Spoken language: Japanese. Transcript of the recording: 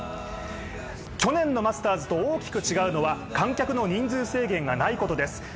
去年のマスターズと大きく違うのは観客の人数制限がないことです。